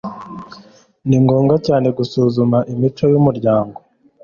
ni ngombwa cyane gusuzuma imico yumuryango